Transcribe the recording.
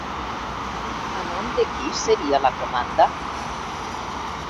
A nom de qui seria la comanda?